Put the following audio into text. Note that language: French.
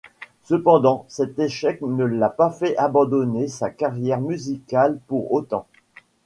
Cependant, cet échec ne l'a pas fait abandonner sa carrière musicale pour autant.